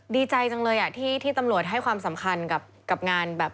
ดีใจจังเลยที่ตำรวจให้ความสำคัญกับงานแบบ